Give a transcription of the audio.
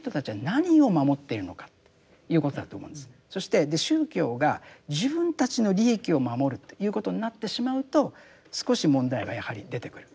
そして宗教が自分たちの利益を守るということになってしまうと少し問題がやはり出てくる。